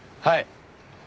はい。